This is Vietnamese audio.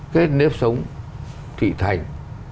cái nếp sống thị thành